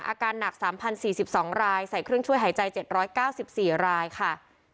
อาการหนัก๓๐๔๒รายใส่เครื่องช่วยหายใจ๗๙๔รายค่ะ